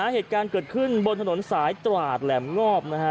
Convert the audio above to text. เหตุการณ์เกิดขึ้นบนถนนสายตราดแหลมงอบนะฮะ